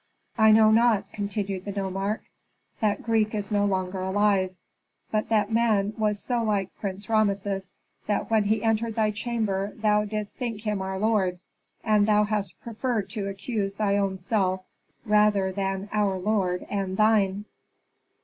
"I know not," continued the nomarch. "That Greek is no longer alive. But that man was so like Prince Rameses that when he entered thy chamber thou didst think him our lord. And thou hast preferred to accuse thy own self rather than our lord, and thine."